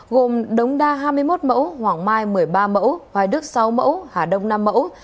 gồm đống đa hai mươi một mẫu hoàng mai một mươi ba mẫu hoài đức sáu mẫu hà đông nam mẫu